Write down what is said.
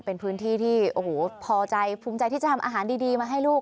เป็นพื้นที่ที่โอ้โหพอใจภูมิใจที่จะทำอาหารดีมาให้ลูก